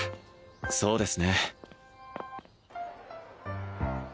そうですね